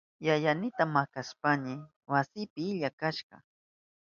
Yayaynita maskashpayni wasinpi illa kashka.